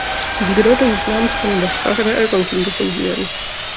Die Bedeutung des Namens kann in der Sprache der Algonkin gefunden werden.